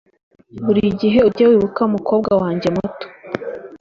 Buri gihe ujye wibuka umukobwa wanjye muto